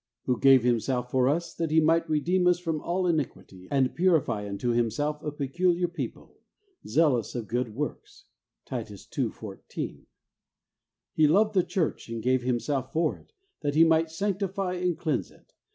'Who gave Himself for us, that He might redeem us from all iniquity, and purify unto Himself a peculiar people, zealous of good works ' (Titus ii. 14). ' He loved the church, and gave Himself for it ; that He might sanctify and cleanse it